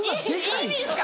いい意味ですか？